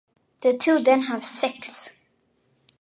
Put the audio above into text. The two then have sex.